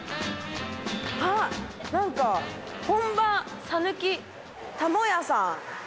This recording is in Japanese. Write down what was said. あっなんか本場讃岐たも屋さん。